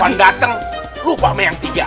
kapan dateng lupa sama yang tiga